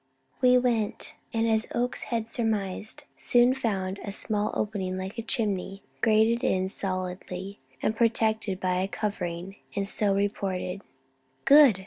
We went, and, as Oakes had surmised, soon found a small opening like a chimney, grated in solidly and protected by a covering, and so reported. "Good!"